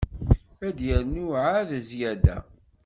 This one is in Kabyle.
Ad yernu ɛad zyada.